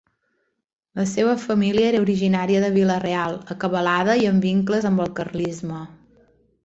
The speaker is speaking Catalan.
La seva família era originària de Vila-real, acabalada i amb vincles amb el carlisme.